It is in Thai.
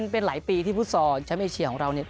เป็นหลายปีที่ฟุตซอลแชมป์เอเชียของเราเนี่ย